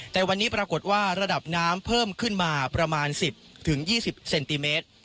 แต่วันนี้ปรากฏว่าระดับน้ำเพิ่มขึ้นมาประมาณ๑๐๒๐เซนติเมตร